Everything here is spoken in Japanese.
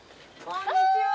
こんにちは。